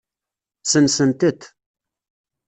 Sensent-t.